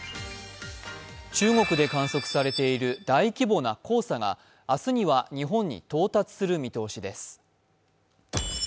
中国で観測されている大規模な黄砂が明日には日本に到達する見通しです。